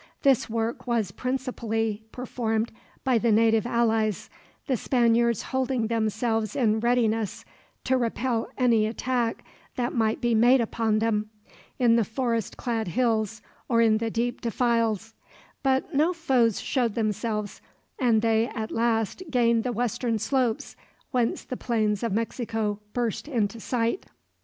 This work was principally performed by the native allies, the Spaniards holding themselves in readiness to repel any attack that might be made upon them, in the forest clad hills or in the deep defiles; but no foes showed themselves, and they at last gained the western slopes, whence the plains of Mexico burst into sight.